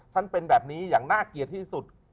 เป็นแบบนี้อย่างน่าเกลียดที่สุด